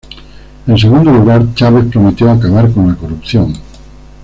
En segundo lugar, Chávez prometió acabar con la corrupción.